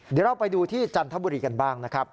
เดี๋ยวเราไปดูที่จันทบุรีกันบ้างนะครับ